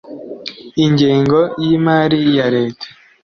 Ingengo y'imari ya leta